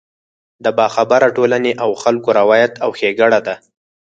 د باخبره ټولنې او خلکو روایت او ښېګړه ده.